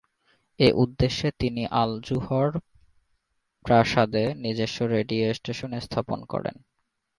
এ উদ্দেশ্যে তিনি আল-জুহর প্রাসাদে নিজস্ব রেডিও স্টেশন স্থাপন করেন।